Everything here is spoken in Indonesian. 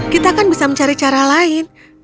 kita kan bisa mencari cara lain